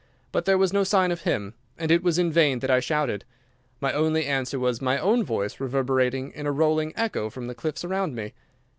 But there was no sign of him, and it was in vain that I shouted. My only answer was my own voice reverberating in a rolling echo from the cliffs around me.